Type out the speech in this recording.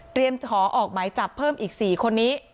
ขอออกหมายจับเพิ่มอีก๔คนนี้